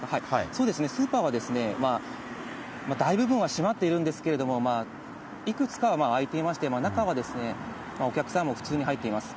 そうですね、スーパーは、大部分は閉まっているんですけれども、いくつかは開いていまして、中は、お客さんも普通に入っています。